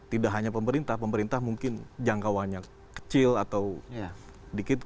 tidak hanya pemerintah pemerintah mungkin jangkauannya kecil atau dikit